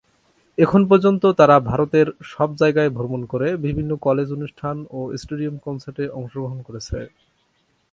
এখন পর্যন্ত তারা ভারতের সব জায়গায় ভ্রমণ করে বিভিন্ন কলেজ অনুষ্ঠান ও স্টেডিয়াম কনসার্টে অংশগ্রহণ করেছে।